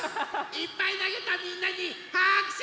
いっぱいなげたみんなにはくしゅ！